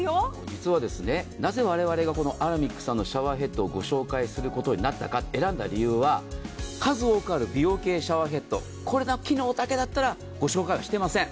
実はなぜ我々がアラミックさんのシャワーヘッドをご紹介することになったか選んだ理由は、数多くある美容系シャワーヘッド、これの機能だけだったらご紹介していません。